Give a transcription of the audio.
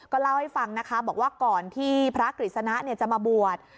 เล่าให้ฟังนะคะบอกว่าก่อนที่พระกฤษณะจะมาบวช